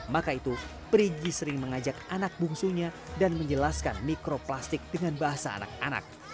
maka itu perigi sering mengajak anak bungsunya dan menjelaskan mikroplastik dengan bahasa anak anak